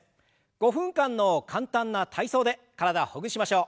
５分間の簡単な体操で体をほぐしましょう。